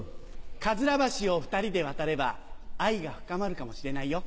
かずら橋を２人で渡れば愛が深まるかもしれないよ。